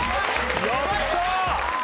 やったー！